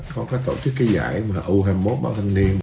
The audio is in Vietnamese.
có tổ chức cái giải u hai mươi một bảo thanh niên